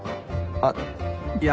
あっいや。